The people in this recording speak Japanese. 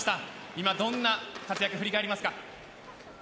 今、どんな活躍振り返りますか？